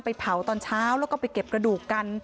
เผาตอนเช้าแล้วก็ไปเก็บกระดูกกัน